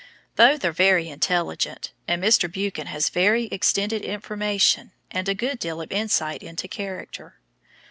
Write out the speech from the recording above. Both are very intelligent, and Mr. Buchan has very extended information and a good deal of insight into character.